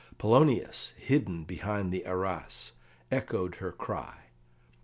Polonius, hidden behind the arras, echoed her cry.